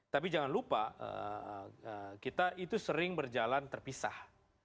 tapi jangan lupa kita itu sering berjalan terpisah